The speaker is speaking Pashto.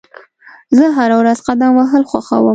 زه هره ورځ قدم وهل خوښوم.